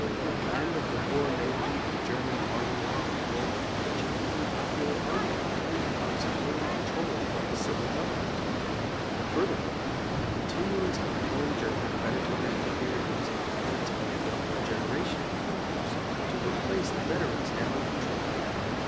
The end of the war may leave the German "army of the people" a genu ine popular army intent upon securing control of the civil government. Furthermore, the con tinuance of Pan German predatory imperialism depends on a younger generation of Junkers to re place the veterans now in control.